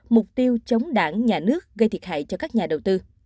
mục tiêu chống đảng nhà nước gây thiệt hại cho các nhà đầu tư